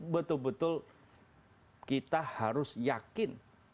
betul betul kita harus yakin